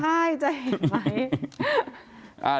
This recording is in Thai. ใช่จะเห็นไหม